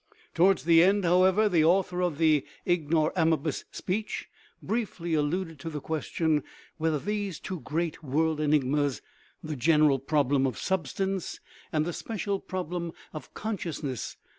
Towards the end, however, the author of the " Igno rabimus speech " briefly alluded to the question wheth er these two great "world enigmas," the general prob lem of substance and the special problem of conscious ness.